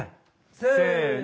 せの。